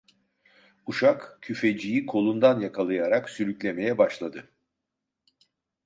Uşak, küfeciyi kolundan yakalayarak sürüklemeye başladı.